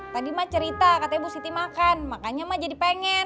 tadi mah cerita katanya bu siti makan makanya mah jadi pengen